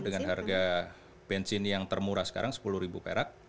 dengan harga bensin yang termurah sekarang rp sepuluh perak